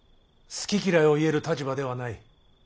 好き嫌いを言える立場ではない。